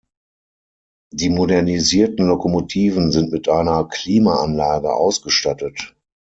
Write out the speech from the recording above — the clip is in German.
Die modernisierten Lokomotiven sind mit einer Klimaanlage ausgestattet.